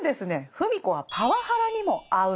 芙美子はパワハラにも遭うんですね。